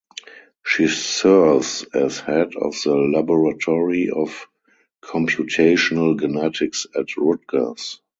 She serves as Head of the Laboratory of Computational Genetics at Rutgers.